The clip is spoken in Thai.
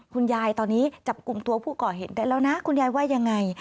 คุณยายตอนนี้จับกลุ่มตัวผู้ก่อเหตุได้แล้วนะคุณยายว่ายังไง